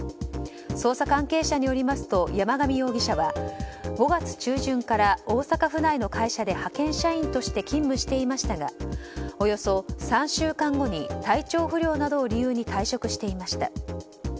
捜査関係者によりますと山上容疑者は５月中旬から大阪府内の会社で派遣社員として勤務していましたがおよそ３週間後に体調不良などを理由に退職していました。